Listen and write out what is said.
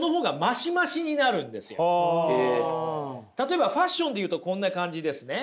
つまりね例えばファッションで言うとこんな感じですね。